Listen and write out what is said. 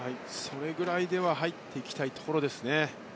それぐらいでは入ってきたいところです。